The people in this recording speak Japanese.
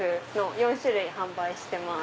４種類販売してます。